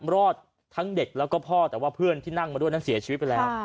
รอดทั้งเด็กแล้วก็พ่อแต่ว่าเพื่อนที่นั่งมาด้วยนั้นเสียชีวิตไปแล้ว